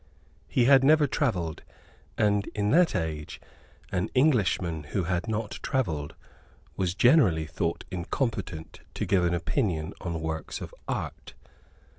He had never travelled; and, in that age, an Englishman who had not travelled was generally thought incompetent to give an opinion on works of art.